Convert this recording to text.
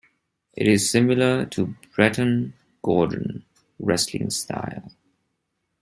It is similar to the Breton Gouren wrestling style.